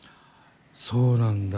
そうなんだ。